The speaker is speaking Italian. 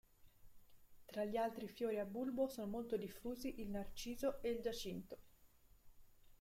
Tra gli altri fiori a bulbo sono molto diffusi il narciso e il giacinto.